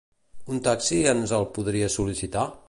Un taxi ens el podries sol·licitar?